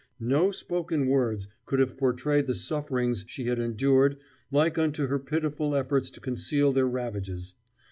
No spoken words could have portrayed the sufferings she had endured like unto her pitiful efforts to conceal their ravages.